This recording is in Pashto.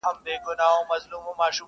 هر څه هماغسې مبهم پاتې کيږي.